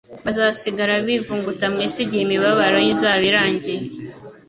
bazasigara bivumguta mu isi igihe imibabaro ye izaba irangiye.